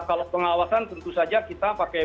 kalau pengawasan tentu saja kita pakai